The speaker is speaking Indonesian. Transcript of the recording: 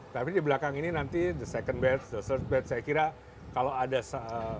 tapi di belakang ini nanti the second batch the third batch saya kira kalau ada yang masuk